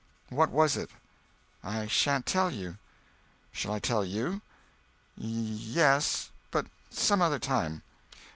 "What was it?" "I sha'n't tell you." "Shall I tell you?" "Ye—yes—but some other time."